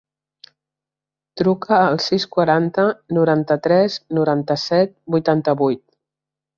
Truca al sis, quaranta, noranta-tres, noranta-set, vuitanta-vuit.